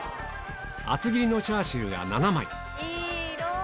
厚切りのチャーシューが７枚いい色！